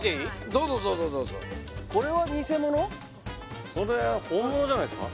どうぞどうぞどうぞこれはそれは本物じゃないですか？